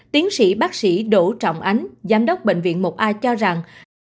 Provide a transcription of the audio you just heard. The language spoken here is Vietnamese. tiến sĩ bác sĩ đỗ trọng ánh giám đốc bệnh viện một a cho rằng